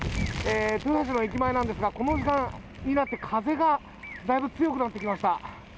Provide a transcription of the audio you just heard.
豊橋の駅前なんですがこの時間になって風がだいぶ強くなってきました。